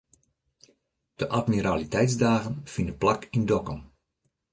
De admiraliteitsdagen fine plak yn Dokkum.